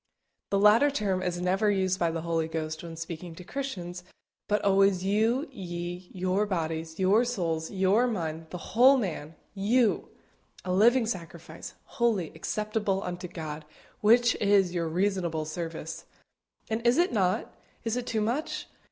The latter term is never used by the Holy Ghost when speaking to Christians, but always you, ye, your bodies, your souls, your mind, the whole man YOU, "a living sacrifice, holy, acceptable unto God, which is your reasonable service." And is it not? Is it too much?